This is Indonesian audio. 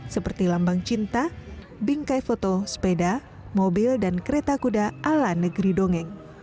seperti lambang cinta bingkai foto sepeda mobil dan kereta kuda ala negeri dongeng